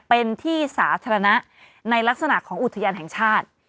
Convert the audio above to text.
เป็นที่สาธารณะในลักษณะของอุทยานแห่งชาติ